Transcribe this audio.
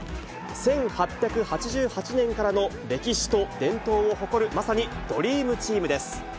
１８８８年からの歴史と伝統を誇る、まさにドリームチームです。